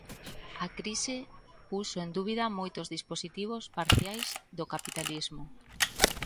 A crise puxo en dúbida moitos dispositivos parciais do capitalismo.